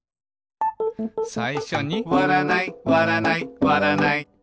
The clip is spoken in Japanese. さいしょに「わらないわらないわらない」